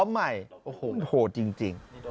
โหจริง